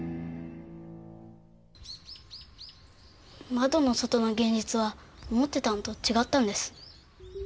窓の外の現実は思ってたのと違ったんです。